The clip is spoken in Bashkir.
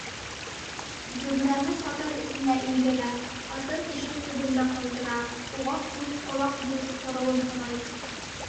Зөмрәне сатыр эсенә индерә, атын ишек төбөндә ҡалдыра, уға күҙ-ҡолаҡ булып тороуын һорай.